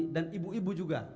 dan ibu ibu juga